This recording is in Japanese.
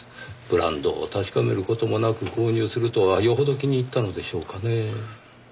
ブランドを確かめる事もなく購入するとはよほど気に入ったのでしょうかねぇ。